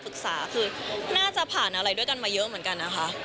เราก็ควรอยู่ให้มันดีไปเรื่อย